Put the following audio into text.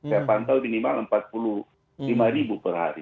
saya pantau minimal empat puluh lima ribu per hari